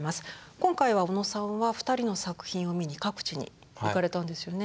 今回は小野さんは２人の作品を見に各地に行かれたんですよね。